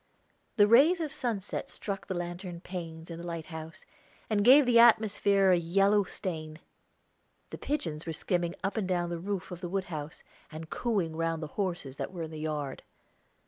The rays of sunset struck the lantern panes in the light house, and gave the atmosphere a yellow stain. The pigeons were skimming up and down the roof of the wood house, and cooing round the horses that were in the yard.